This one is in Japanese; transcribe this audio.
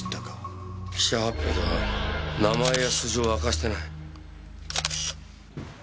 記者発表では名前や素性は明かしてない。